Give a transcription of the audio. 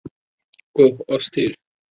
ওহ, অস্থির!